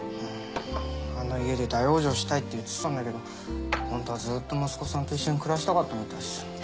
あの家で大往生したいって言ってたんだけどほんとはずっと息子さんと一緒に暮らしたかったみたいっす。